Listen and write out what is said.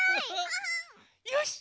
よし！